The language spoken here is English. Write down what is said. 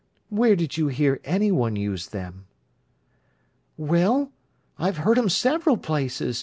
Where did you hear any one use them?" "Well, I've heard 'em several places.